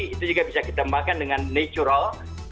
itu juga bisa kita makan dengan natural